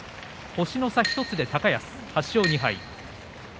星の差１つ高安、８勝２敗